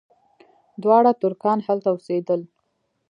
دواړه ترکان هلته اوسېدل.